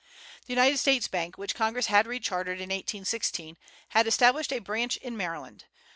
The United States bank, which Congress had rechartered in 1816, had established a branch in Maryland.